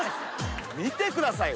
見てください。